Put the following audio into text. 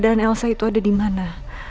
keadaan elsa itu ada dimana